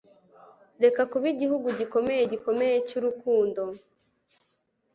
reka kuba igihugu gikomeye gikomeye cyurukundo